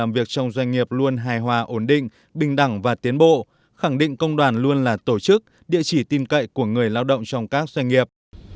việc trong doanh nghiệp luôn hài hòa ổn định bình đẳng và tiến bộ khẳng định công đoàn luôn là tổ chức địa chỉ tin cậy của người lao động trong các doanh nghiệp